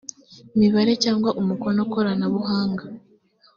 mibare cyangwa umukono koranabuhanga